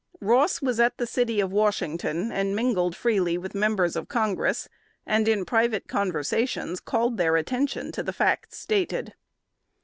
Ross was at the city of Washington, and mingled freely with members of Congress, and in private conversations called their attention to the facts stated.